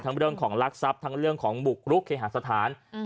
ทั้งเรื่องของลักษัพทั้งเรื่องของหมุกลุกขี่หาสถาน